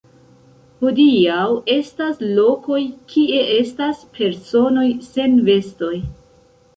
Hodiaŭ estas lokoj kie estas personoj sen vestoj.